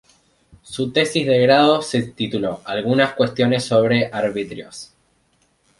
Su tesis de grado se tituló ""Algunas Cuestiones sobre Arbitrios"".